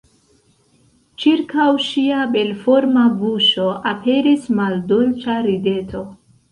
Ĉirkaŭ ŝia belforma buŝo aperis maldolĉa rideto.